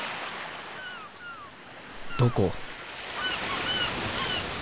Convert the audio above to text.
どこ？